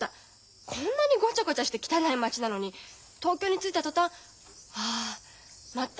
こんなにゴチャゴチャして汚い町なのに東京に着いた途端あまた